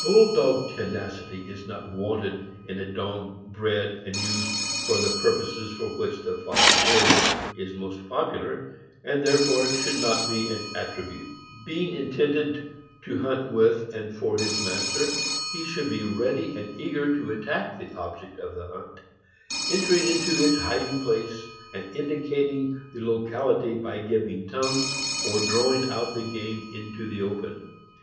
Bull dog tenacity is not wanted in a dog bred and used for the pur poses for which the Fox Terrier is most popular, and there fore should not be an attribute. Being intended, to hunt with and for his master, he should be ready and eager to attack the object of the hunt, entering into its hiding place and indicating the locality by giving tongue or drawing out the game in the open.